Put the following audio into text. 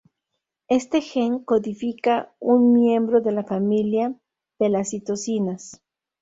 Este gen codifica un miembro de la familia de las citocinas.